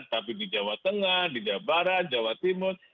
tapi di jawa tengah di jawa barat jawa timur